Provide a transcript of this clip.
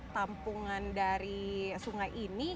tampungan dari sungai ini